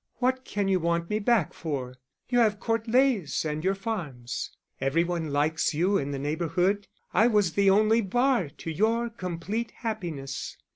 What can you want me back for? You have Court Leys and your farms. Every one likes you in the neighbourhood; I was the only bar to your complete happiness.